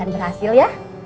kalian berhasil ya